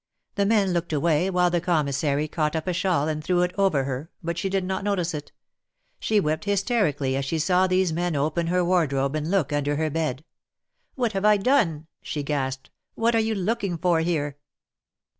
The men looked away, while the Commissary caught up a shawl and threw it over her, but she did not notice it. She wept hysterically as she saw these men open her wardrobe and look under her bed. "What have I done she gasped. "What are you looking for here?"